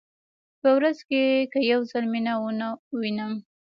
په ورځ کې که یو ځل مینه ونه وینم.